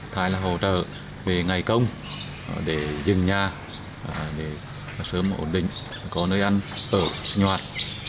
thay là hỗ trợ về ngày công để dừng nhà để sớm ổn định có nơi ăn ở nhuận